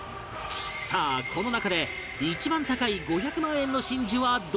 さあこの中で一番高い５００万円の真珠はどれなのか？